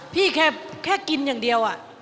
พี่แค่กินอย่างเดียวอ่ะ